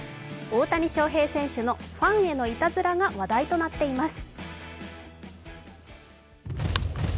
大谷翔平選手のファンへのいたずらが話題となっています。